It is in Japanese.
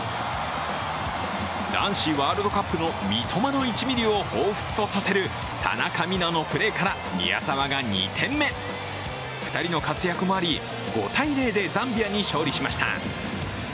男子ワールドカップの三笘の１ミリをほうふつとさせる田中美南のプレーから宮澤が２点目２人の活躍もあり、５−０でザンビアに勝利しました。